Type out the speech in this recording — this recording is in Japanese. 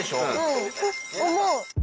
うん思う。